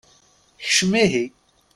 Kcem ihi.